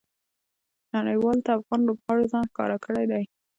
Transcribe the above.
نړۍوالو ته افغان لوبغاړو ځان ښکاره کړى دئ.